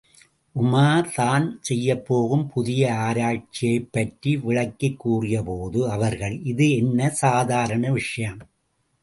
உமார் தான் செய்யப்போகும் புதிய ஆராய்ச்சியைப்பற்றி விளக்கிக் கூறியபோது அவர்கள், இது என்ன சாதாரண விஷயம்!